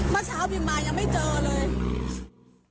มาเช้าพี่มายังไม่เจอเลย